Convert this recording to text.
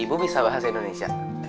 ibu bisa bahasa indonesia